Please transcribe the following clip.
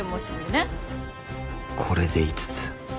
これで５つ。